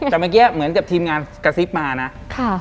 แต่เมื่อกี้เหมือนกับทีมงานกระซิบมานะ